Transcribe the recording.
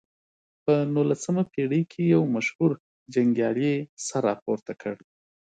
په نولسمه پېړۍ کې یو مشهور جنګیالي سر راپورته کړ.